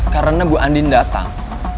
karena bu andin datang